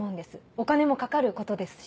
お金もかかることですし。